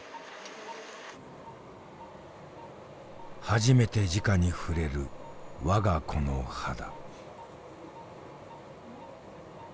初めてじかに触れる我が子の肌。